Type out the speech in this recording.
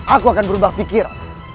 aku akan berubah pikiran